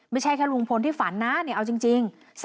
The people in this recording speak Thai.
ไม่ใช่แค่ลุงพลที่ฝันนะเอาจริง